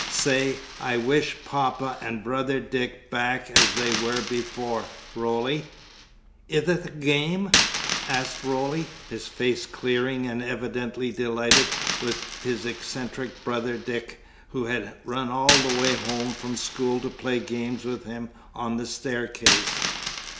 Say, 'I wish Papa and Brother Dick back as they were before,' Roly." "Ith it a game?" asked Roly, his face clearing and evidently delighted with his eccentric brother Dick, who had run all the way home from school to play games with him on the staircase.